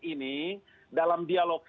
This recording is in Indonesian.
ini dalam dialog